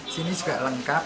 sini juga lengkap